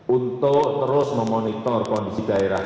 untuk terus memonitor kondisi daerah